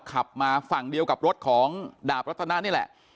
ขับมาฝั่งเดียวกับรถของดาบรัตนานี่แหละ